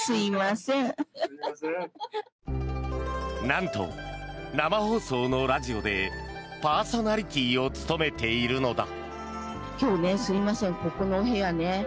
なんと、生放送のラジオでパーソナリティーを務めているのだ。